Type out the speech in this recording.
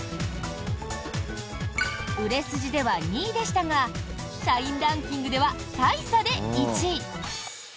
売れ筋では２位でしたが社員ランキングでは大差で１位！